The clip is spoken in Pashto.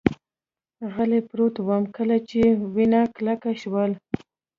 غلی پروت ووم، کله چې وینه کلکه شول.